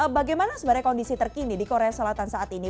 bagaimana sebenarnya kondisi terkini di korea selatan saat ini